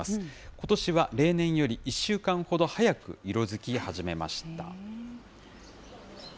ことしは例年より１週間ほど早く色づき始めました。